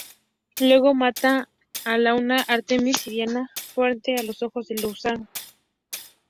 Luego mata a Luna, Artemis y Diana frente a los ojos de Usagi.